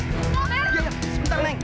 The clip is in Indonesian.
ya ya sebentar neng